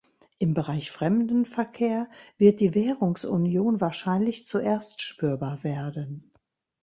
Im Bereich Fremdenverkehr wird die Währungsunion wahrscheinlich zuerst spürbar werden.